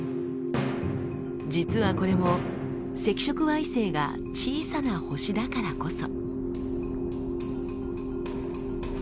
実はこれも赤色矮星が小さな星だからこそ。